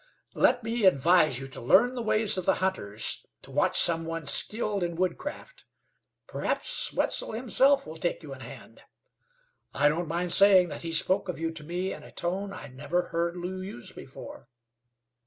Let me advise you to learn the ways of the hunters; to watch some one skilled in woodcraft. Perhaps Wetzel himself will take you in hand. I don't mind saying that he spoke of you to me in a tone I never heard Lew use before."